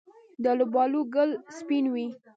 د الوبالو ګل سپین وي؟